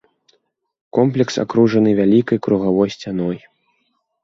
Комплекс акружаны вялікай кругавой сцяной.